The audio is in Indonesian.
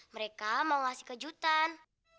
mereka mau ngasih kejutan